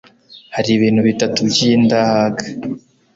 hari ibintu bitatu by'indahaga